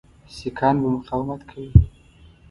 سیکهان به مقاومت کوي.